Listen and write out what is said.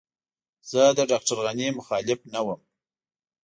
زه د ډاکټر غني مخالف نه وم.